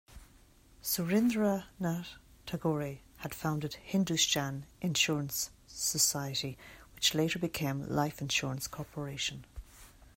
Surendranath Tagore had founded Hindusthan Insurance Society, which later became Life Insurance Corporation.